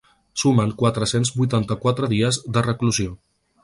Sumen quatre-cents vuitanta-quatre dies de reclusió.